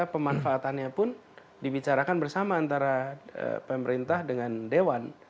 pemanfaatannya pun dibicarakan bersama antara pemerintah dengan dewan